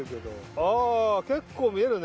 ああ結構見えるね。